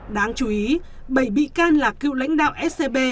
đáng chú ý bảy bị can là cựu lãnh đạo scb